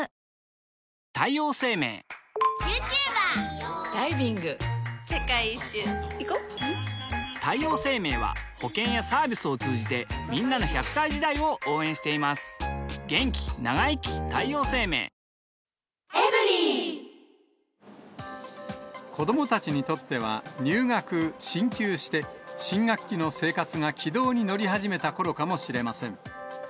女性 ２） 世界一周いこ太陽生命は保険やサービスを通じてんなの１００歳時代を応援しています子どもたちにとっては、入学、進級して、新学期の生活が軌道に乗り始めたころかもしれません。